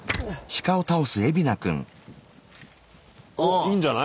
いいんじゃない？